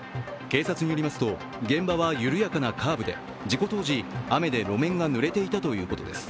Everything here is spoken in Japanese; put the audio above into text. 警察によりますと、現場は緩やかなカーブで事故当時、雨で路面がぬれていたということです。